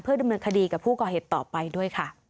ดำเนินคดีกับผู้ก่อเหตุต่อไปด้วยค่ะ